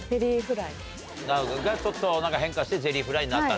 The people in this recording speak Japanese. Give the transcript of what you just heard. なるほどちょっと変化してゼリーフライになった。